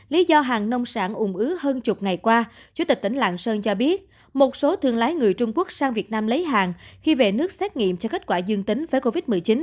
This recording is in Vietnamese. lý do hàng nông sản ủng ứ hơn chục ngày qua chủ tịch tỉnh lạng sơn cho biết một số thương lái người trung quốc sang việt nam lấy hàng khi về nước xét nghiệm cho kết quả dương tính với covid một mươi chín